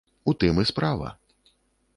У тым і справа.